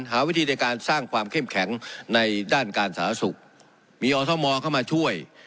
หาวิธีในการสร้างความเข้มแข็งในด้านการสาธารณสุขมีอทมเข้ามาช่วย